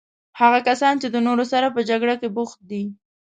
هغه کسان چې د نورو سره په جګړه بوخت دي.